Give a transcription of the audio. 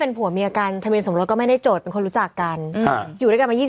นะแต่ไม่ได้จดทะเบียนกัน